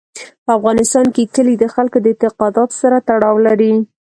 په افغانستان کې کلي د خلکو د اعتقاداتو سره تړاو لري.